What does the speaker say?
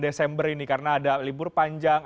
desember ini karena ada libur panjang